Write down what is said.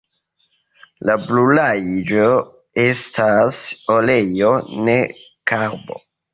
La brulaĵo estas oleo ne karbo.